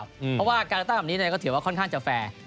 เพราะว่าการเลือกตั้งแบบนี้ก็ถือว่าค่อนข้างจะแฟร์